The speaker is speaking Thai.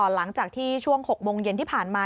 หลังจากที่ช่วง๖โมงเย็นที่ผ่านมา